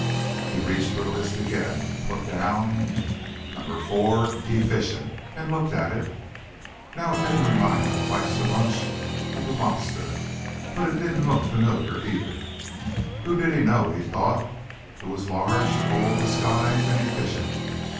He reached for the list again, put down: 4. Efficient And looked at it. Now it didn't remind him quite so much of the Monster. But it didn't look familiar, either. Who did he know, he thought, who was large, old, disguised and efficient?